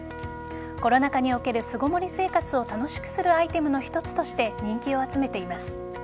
コロナ禍における巣ごもり生活を楽しくするアイテムの一つとして人気を集めています。